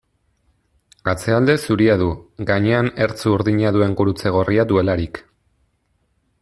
Atzealde zuria du, gainean ertz urdina duen gurutze gorria duelarik.